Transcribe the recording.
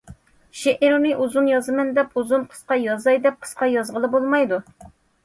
شېئىرنى ئۇزۇن يازىمەن دەپ ئۇزۇن، قىسقا يازاي دەپ قىسقا يازغىلى بولمايدۇ.